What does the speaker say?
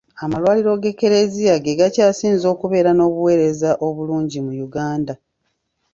Amalwaliro g’Eklezia ge gakyasinze okubeera n’obuweereza obulungi mu Uganda.